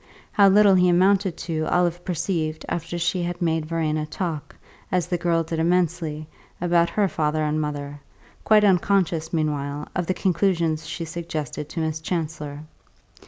How little he amounted to Olive perceived after she had made Verena talk, as the girl did immensely, about her father and mother quite unconscious, meanwhile, of the conclusions she suggested to Miss Chancellor.